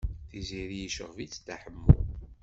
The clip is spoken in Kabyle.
Tiziri yecɣeb-itt Dda Ḥemmu.